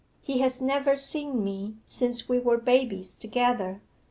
He has never seen me since we were babies together.